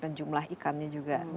dan jumlah ikannya juga